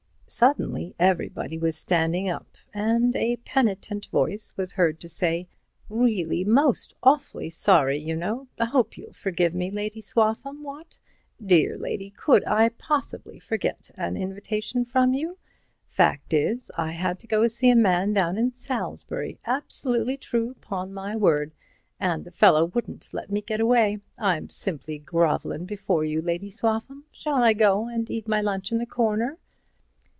Suddenly everybody was standing up and a penitent voice was heard to say: "Really, most awfully sorry, y'know—hope you'll forgive me, Lady Swaffham, what? Dear lady, could I possibly forget an invitation from you? Fact is, I had to go an' see a man down in Salisbury—absolutely true, 'pon my word, and the fellow wouldn't let me get away. I'm simply grovellin' before you, Lady Swaffham. Shall I go an' eat my lunch in the corner?"